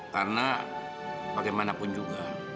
karena bagaimanapun juga